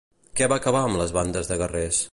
Què va acabar amb les bandes de guerrers?